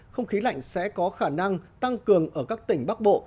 không khí lạnh sẽ có khả năng tăng cường ở các tỉnh bắc bộ